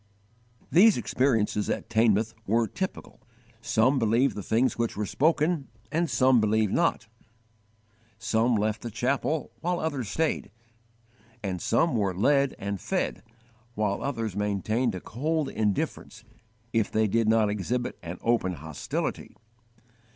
These experiences at Teignmouth were typical: "Some believed the things which were spoken, and some believed not;" some left the chapel, while others stayed; and some were led and fed, while others maintained a cold indifference, if they did not exhibit an open hostility.